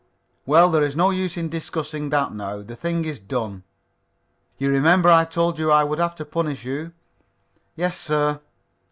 "Well, there is no use in discussing that now. The thing is done. You remember I told you I would have to punish you?" "Yes, sir."